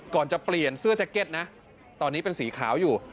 ก่อนจะเปลี่ยนเสื้อแจ็คเก็ตนะตอนนี้เป็นสีขาวอยู่